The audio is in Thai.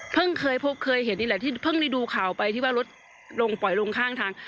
เคยพบเคยเห็นนี่แหละที่เพิ่งได้ดูข่าวไปที่ว่ารถลงปล่อยลงข้างทาง